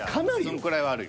そんくらいはあるよ。